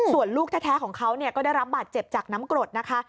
ส่วนลูกแท้ของเขาก็ได้รับบาดเจ็บจากน้ำกรดนะคะ